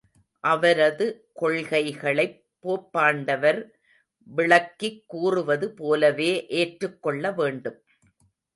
அவரது கொள்கைகளைப் போப்பாண்டவர் விளக்கிக் கூறுவது போலவே ஏற்றுக் கொள்ளவேண்டும்.